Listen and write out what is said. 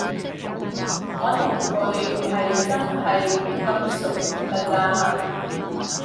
我同佢唔係真係咁熟㗎咋